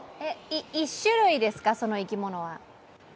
１種類ですか、その生き物は？